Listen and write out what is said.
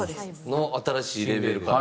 の新しいレーベルから。